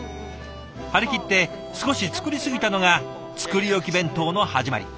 張り切って少し作り過ぎたのが作り置き弁当の始まり。